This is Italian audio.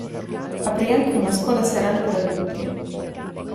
Aprì anche una scuola serale per adulti.